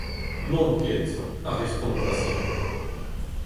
N’on ket, a respontas-eñ.